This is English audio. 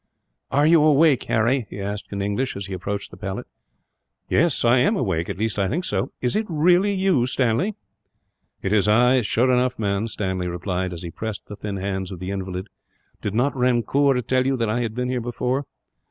"Are you awake, Harry?" he asked in English, as he approached the pallet. "Yes, I am awake; at least I think so. Is it really you, Stanley?" "It is I, sure enough, man," Stanley replied, as he pressed the thin hands of the invalid. "Did not Runkoor tell you that I had been here before?"